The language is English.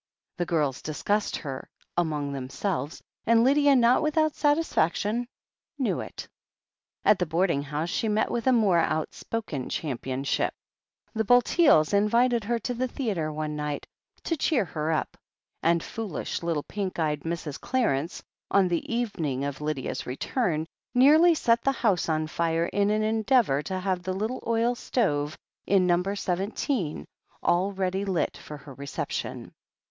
The girls discussed her among themselves, and Lydia, not without satisfaction, knew it. At the boarding house she met with a more out spoken championship. The Bulteels invited her to the theatre one night, "to cheer her up,*' and foolish, little, pink eyed ' Mrs. 2IO THE HEEL OF ACHILLES Clarence, on the evening of Lydia's return, nearly set the house on fire in an endeavour to have the little oil stove in Number Seventeen all ready lit for her reception.